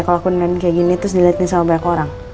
kalau aku nilain kayak gini terus diliatin sama banyak orang